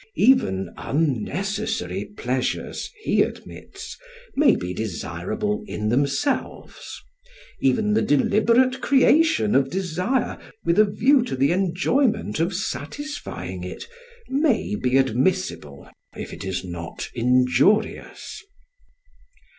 Even "unnecessary" pleasures, he admits, may be desirable in themselves; even the deliberate creation of desire with a view to the enjoyment of satisfying it may be admissible if it is not injurious.